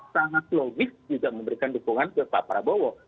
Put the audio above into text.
sangat logis juga memberikan dukungan ke pak prabowo